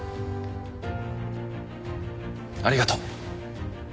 ありがとう。